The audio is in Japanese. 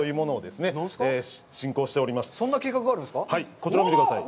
こちらを見てください。